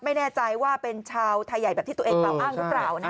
ไม่แน่ใจว่าเป็นชาวไทยใหญ่แบบที่ตัวเองกล่าวอ้างหรือเปล่า